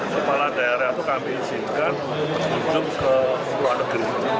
kepala daerah itu kami isinkan menunjuk ke luar negeri